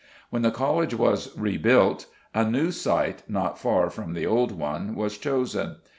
When the College was rebuilt, a new site, not far from the old one, was chosen.